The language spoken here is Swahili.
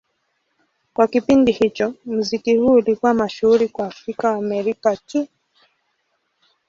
Kwa kipindi hicho, muziki huu ulikuwa mashuhuri kwa Waafrika-Waamerika tu.